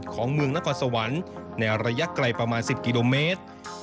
ของเมืองนครสวรรค์ในระยะไกลประมาณ๑๐กิโลเมตร